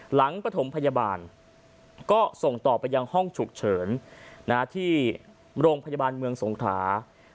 ปฐมพยาบาลก็ส่งต่อไปยังห้องฉุกเฉินที่โรงพยาบาลเมืองสงขรา